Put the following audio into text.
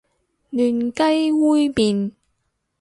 嫩雞煨麵